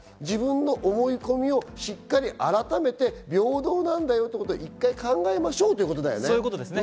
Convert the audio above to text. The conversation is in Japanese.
自分の思い込みをしっかり改めて平等なんだよっていうことで一回考えましょうっていうことだよね。